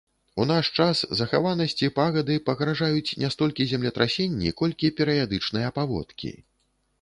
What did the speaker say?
У наш час захаванасці пагады пагражаюць не столькі землетрасенні, колькі перыядычныя паводкі.